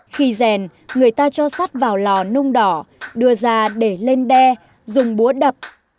khi rèn người ta cho sắt vào lò nung đỏ đưa ra để lên đe dùng búa đập